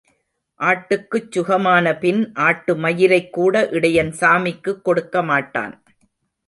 ஆட்டுக்குச் சுகமானபின் ஆட்டுமயிரைக்கூட இடையன் சாமிக்குக் கொடுக்க மாட்டான்.